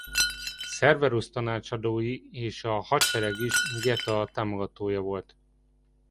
Severus tanácsadói és a hadsereg is Geta támogatója volt.